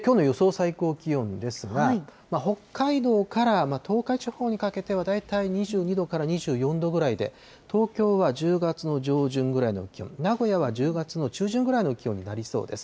最高気温ですが、北海道から東海地方にかけては、大体２２度から２４度ぐらいで、東京は１０月の上旬ぐらいの気温、名古屋は１０月の中旬ぐらいの気温になりそうです。